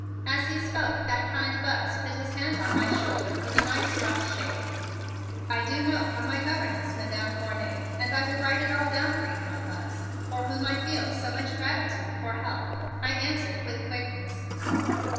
As he spoke, that kind Buzz put his hand on my shoulder with a nice rough shake. "I do know from my governess, Madam Fournet, and I will write it all down for you, my Buzz, for whom I feel so much gratitude for help," I answered with quickness.